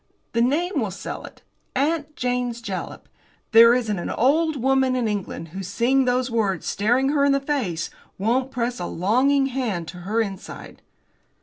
The name will sell it! 'Aunt Jane's Jalap!' There isn't an old woman in England who, seeing those words staring her in the face, won't press a longing hand to her inside."